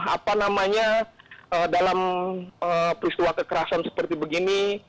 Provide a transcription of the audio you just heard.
apa namanya dalam peristiwa kekerasan seperti begini